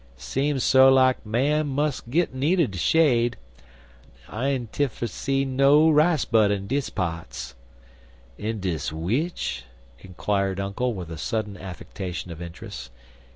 Seem so lak man mus' git need*1 de shade. I enty fer see no rice bud in dis pa'ts." "In dis w'ich?" inquired Uncle with a sudden affectation of interest.